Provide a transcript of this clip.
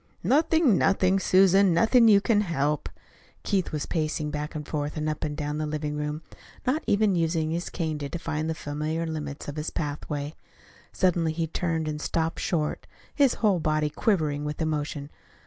"Nothing, nothing, Susan. Nothing you can help." Keith was pacing back and forth and up and down the living room, not even using his cane to define the familiar limits of his pathway. Suddenly he turned and stopped short, his whole body quivering with emotion.